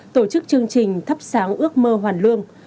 tổ chức chương trình thắp sáng ước mơ hoàn lương